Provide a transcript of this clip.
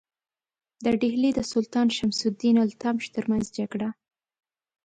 د ډهلي د سلطان شمس الدین التمش ترمنځ جګړه.